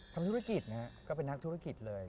ทำธุรกิจนะฮะก็เป็นนักธุรกิจเลย